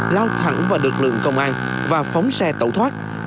lao thẳng vào lực lượng công an và phóng xe tẩu thoát